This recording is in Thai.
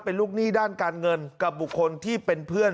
เป็นลูกหนี้ด้านการเงินกับบุคคลที่เป็นเพื่อน